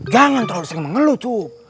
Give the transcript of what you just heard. jangan terlalu sering mengeluh cuk